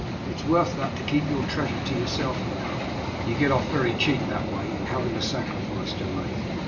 It's worth that, to keep your treasure to yourself, you know. You get off very cheap that way, and haven't a sacrifice to make.